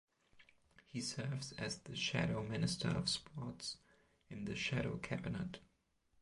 He serves as the Shadow Minister of Sports in the Shadow Cabinet.